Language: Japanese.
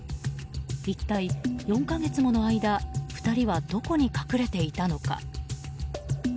一体４か月もの間、２人はどこに隠れていたのか。